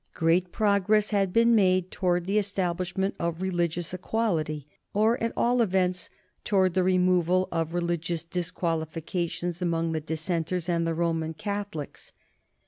Great progress had been made towards the establishment of religious equality, or at all events towards the removal of religious disqualifications among the Dissenters and the Roman Catholics.